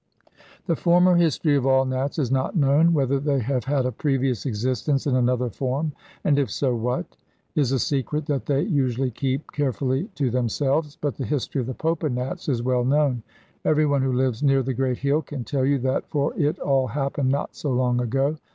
The former history of all Nats is not known. Whether they have had a previous existence in another form, and if so, what, is a secret that they usually keep carefully to themselves, but the history of the Popa Nats is well known. Everyone who lives near the great hill can tell you that, for it all happened not so long ago.